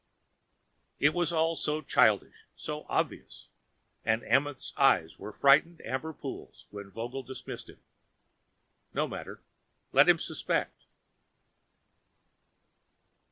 It was all so childish, so obvious, and Amenth's eyes were frightened amber pools when Vogel dismissed him. No matter. Let him suspect.